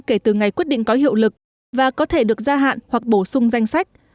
kể từ ngày quyết định có hiệu lực và có thể được gia hạn hoặc bổ sung danh sách